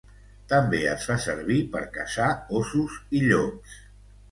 També es fa servir per caçar ossos i llops.